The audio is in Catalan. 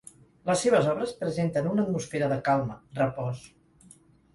Les seves obres presenten una atmosfera de calma, repòs.